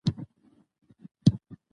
د ناول مکالمې او ادبي ارزښت: